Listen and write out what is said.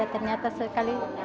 tapi ternyata sekali